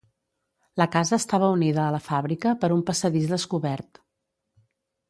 La casa estava unida a la fàbrica per un passadís descobert.